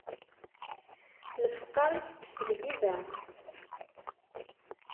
Lefqeṛ itekkes lhiba.